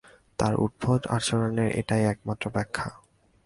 তার উদ্ভট আচরনের এটাই একমাত্র ব্যাখ্যা।